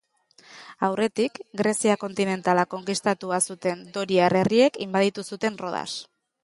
Aurretik Grezia kontinentala konkistatua zuten doriar herriek inbaditu zuten Rodas.